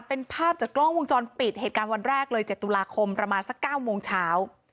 เป็นภาพจากกล้องวงจรปิดเหตุการณ์วันแรกเลย๗ตุลาคมประมาณสัก๙โมงเช้า